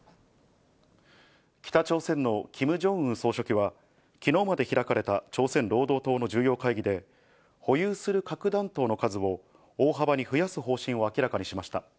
北朝鮮のキム・ジョンウン総書記は、きのうまで開かれた朝鮮労働党の重要会議で、保有する核弾頭の数を大幅に増やす方針を明らかにしました。